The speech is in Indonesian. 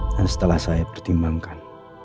dan setelah saya pertimbangkan